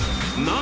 何？